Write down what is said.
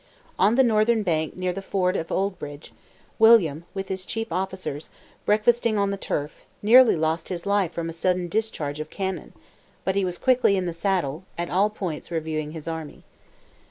On the northern bank near to the ford of Oldbridge, William, with his chief officers, breakfasting on the turf, nearly lost his life from a sudden discharge of cannon; but he was quickly in the saddle, at all points reviewing his army.